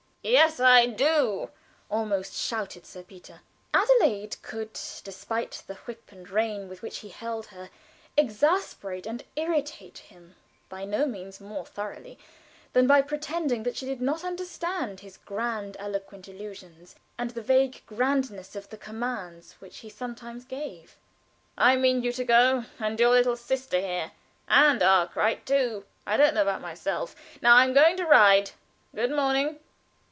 "Yes, I do," almost shouted Sir Peter. Adelaide could, despite the whip and rein with which he held her, exasperate and irritate him by no means more thoroughly than by pretending that she did not understand his grandiloquent allusions, and the vague grandness of the commands which he sometimes gave. "I mean you to go, and your little sister here, and Arkwright too. I don't know about myself. Now, I am going to ride. Good morning."